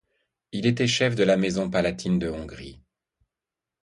Il était chef de la Maison palatine de Hongrie.